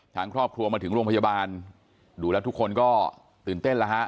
ทางครอบครัวมาถึงโรงพยาบาลดูแล้วทุกคนก็ตื่นเต้นแล้วฮะ